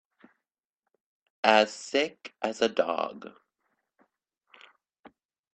As sick as a dog.